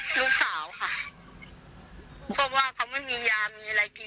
ลูกสาวค่ะเพราะว่าเขาไม่มียามีอะไรกิน